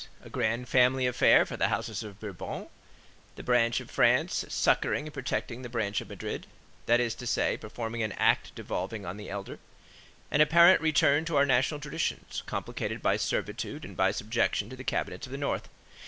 A grand family affair for the house of Bourbon; the branch of France succoring and protecting the branch of Madrid, that is to say, performing an act devolving on the elder; an apparent return to our national traditions, complicated by servitude and by subjection to the cabinets of the North; M.